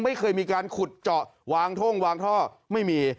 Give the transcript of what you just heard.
ไม่เคยมีการขุดเจาะวางท่งวางท่อไม่มี